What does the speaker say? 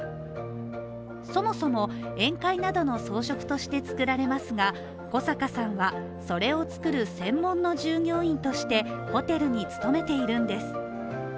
そもそも宴会などの装飾として作られますが小阪さんはそれを作る専門の従業員としてホテルに勤めているんです。